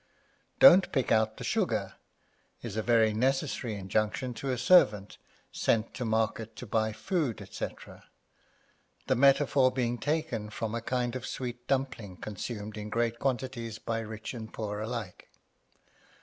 Don't pick out the sugar is a very necessary injunction to a servant sent to market to buy food, &c., the metaphor being taken from a kind of sweet dumpling consumed in great quantities by rich and poor alike.